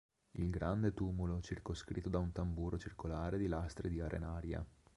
Il grande tumulo circoscritto da un tamburo circolare di lastre di arenaria.